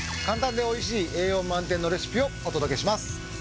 簡単で美味しい栄養満点のレシピをお届けします。